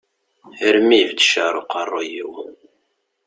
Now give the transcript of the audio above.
Armi ibedd ccεer uqerru-iw.